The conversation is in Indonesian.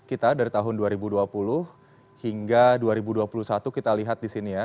kita dari tahun dua ribu dua puluh hingga dua ribu dua puluh satu kita lihat di sini ya